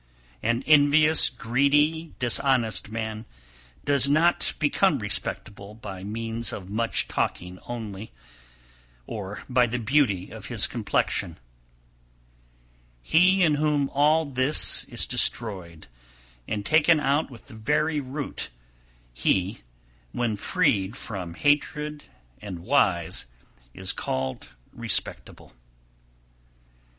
262. An envious greedy, dishonest man does not become respectable by means of much talking only, or by the beauty of his complexion. 263. He in whom all this is destroyed, and taken out with the very root, he, when freed from hatred and wise, is called respectable.